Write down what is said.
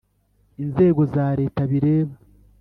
inzego za Leta bireba